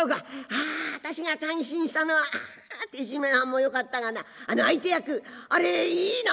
「あああたしが感心したのは豊島屋はんもよかったがなあの相手役あれいいな」。